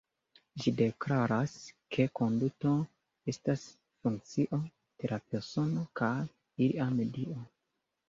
Ĝi deklaras ke konduto estas funkcio de la persono kaj ilia medio.